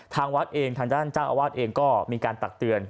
ทางวัดเองทางด้านเจ้าอาวาสเองก็มีการตักเตือน